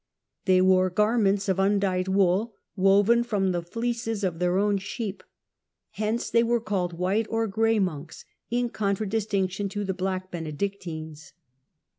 They wore garments of undyed wool, woven from the fleeces of their own sheep. Hence they were called " white " or " grey monks," in contradistinction to the Black Benedictines.